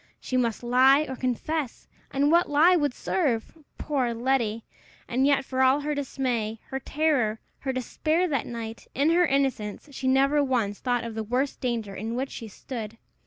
She must lie or confess! And what lie would serve? Poor Letty! And yet, for all her dismay, her terror, her despair that night, in her innocence, she never once thought of the worst danger in which she stood!